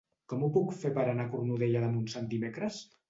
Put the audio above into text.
Com ho puc fer per anar a Cornudella de Montsant dimecres?